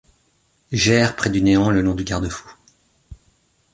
J’erre près du néant le long du garde-fou.